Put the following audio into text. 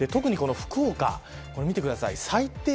特に福岡、見てください。